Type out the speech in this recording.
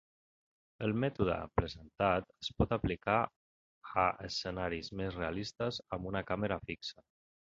El mètode presentat es pot aplicar a escenaris més realistes amb una càmera fixa.